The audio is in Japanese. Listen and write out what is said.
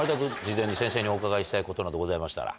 事前に先生にお伺いしたいことなどございましたら。